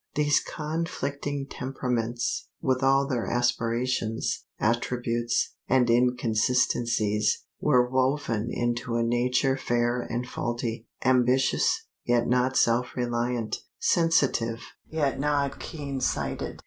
These conflicting temperaments, with all their aspirations, attributes, and inconsistencies, were woven into a nature fair and faulty; ambitious, yet not self reliant; sensitive, yet not keen sighted.